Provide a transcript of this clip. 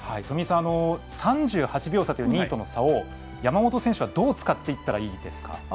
富井さん、３８秒差という２位との差を山本選手はどう使っていったらいいですか？